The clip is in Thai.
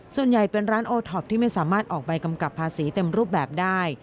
ส่วนใหญ่เป็นร้านโอท็อปที่ไม่สามารถออกใบกำกับภาษีเต็มรูปแบบได้